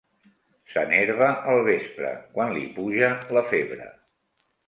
S'enerva al vespre, quan li puja la febre.